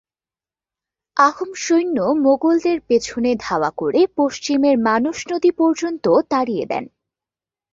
আহোম সৈন্য মোগলদের পিছনে ধাওয়া করে পশ্চিমের মানস নদী পর্যন্ত তাড়িয়ে দেন।